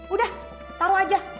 udah taruh aja